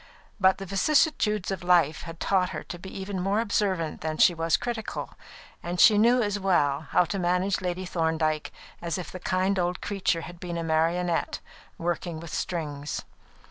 But the vicissitudes of life had taught her to be even more observant than she was critical, and she knew as well how to manage Lady Thorndyke as if the kind old creature had been a marionette, worked with strings.